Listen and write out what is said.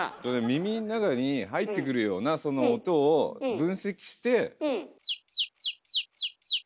耳ん中に入ってくるようなその音を分析して。